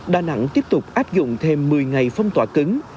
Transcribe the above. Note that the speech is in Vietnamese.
đà nẵng tiếp tục áp dụng thêm một mươi ngày phong tỏa cứng